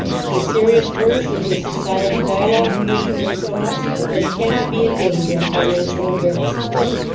His serious verse and his society dialogues bring him in so much that he cannot be in danger of financial embarrassment.